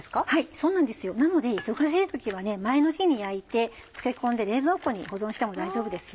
そうなんですよなので忙しい時は前の日に焼いて漬け込んで冷蔵庫に保存しても大丈夫ですよ。